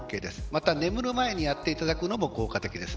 また、眠る前にやっていただくのも効果的です。